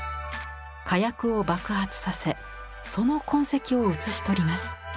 火薬を爆発させその痕跡を写し取ります。